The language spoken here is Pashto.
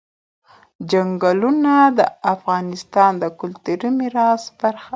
چنګلونه د افغانستان د کلتوري میراث برخه ده.